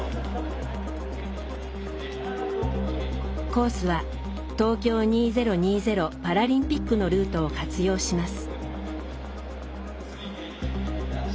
コースは東京２０２０パラリンピックのルートを活用します。